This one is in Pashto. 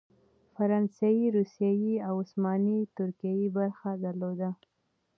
فرانسې، روسیې او عثماني ترکیې برخه درلوده.